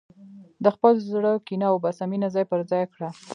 د خپل زړه کینه وباسه، مینه ځای پر ځای کړه.